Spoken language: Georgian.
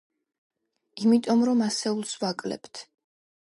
იმიტომ რომ ასეულს ვაკლებთ.